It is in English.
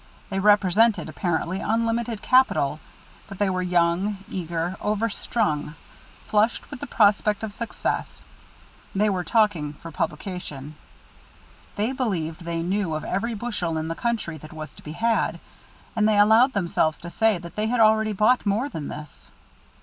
They represented apparently unlimited capital, but they were young, eager, overstrung; flushed with the prospect of success, they were talking for publication. They believed they knew of every bushel in the country that was to be had, and they allowed themselves to say that they had already bought more than this.